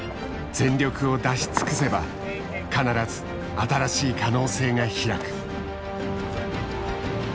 全力を出し尽くせば必ず新しい可能性が開く。